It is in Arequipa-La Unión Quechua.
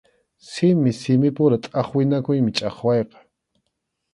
Simi simipura tʼaqwinakuymi chʼaqwayqa.